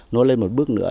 nó lên một bước nữa